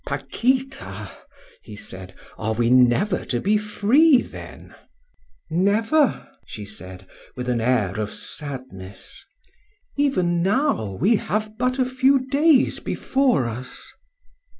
"Paquita," he said, "are we never to be free then?" "Never," she said, with an air of sadness. "Even now we have but a few days before us."